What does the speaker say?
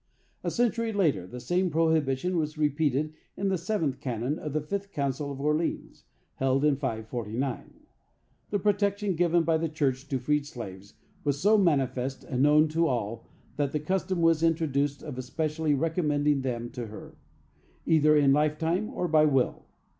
A century later, the same prohibition was repeated in the seventh canon of the fifth Council of Orleans, held in 549. The protection given by the church to freed slaves was so manifest and known to all, that the custom was introduced of especially recommending them to her, either in lifetime or by will.